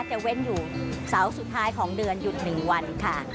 เว้นอยู่เสาร์สุดท้ายของเดือนหยุด๑วันค่ะ